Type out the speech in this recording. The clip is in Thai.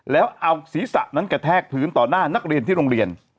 แล้วเอาศีรษะนั้นกระแทกพื้นต่อหน้านักเรียนที่โรงเรียน